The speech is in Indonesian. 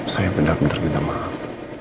saya benar benar minta maaf